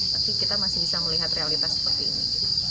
tapi kita masih bisa melihat realitas seperti ini